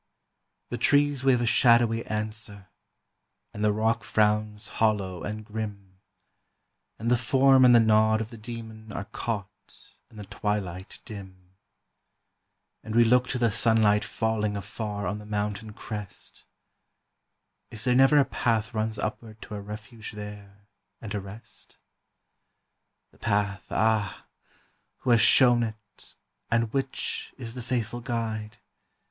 The trees wave a shadowy answer, and the rock frowns hollow and grim, And the form and the nod of the demon are caught in the twilight dim; And we look to the sunlight falling afar on the mountain crest, Is there never a path runs upward to a refuge there and a rest? The path, ah! who has shown it, and which is the faithful guide?